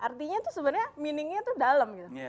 artinya tuh sebenarnya artinya tuh dalam gitu